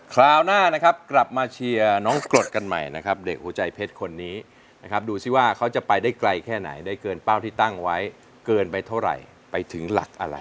คราวหน้านะครับกลับมาเชียร์น้องกรดกันใหม่นะครับเด็กหัวใจเพชรคนนี้ดูสิว่าเขาจะไปได้ไกลแค่ไหนไม่ได้เคยเหลือ